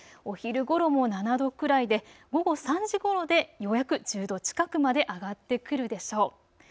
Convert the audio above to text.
お昼ごろも７度くらいで午後３時ごろでようやく１０度近くまで上がってくるでしょう。